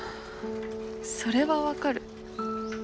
それは分かる